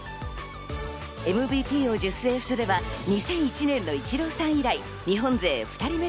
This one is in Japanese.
ＭＶＰを受賞すれば２００１年のイチローさん以来、日本勢２人目